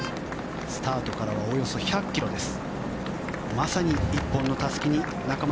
スタートからはおよそ１００ｋｍです。